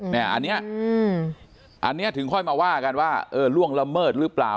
เนี่ยอันนี้ถึงค่อยมาว่ากันว่าเออล่วงละเมิดหรือเปล่า